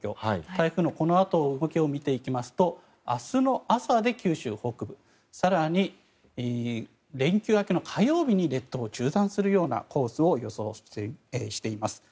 台風のこのあとの動きを見ていきますと明日の朝で九州北部更に連休明けの火曜日に列島を縦断するようなコースを予想しています。